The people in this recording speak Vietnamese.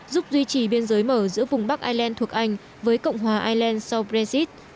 giúp duy trì biên giới mở giữa vùng bắc ireland thuộc anh với cộng hòa ireland sau brexit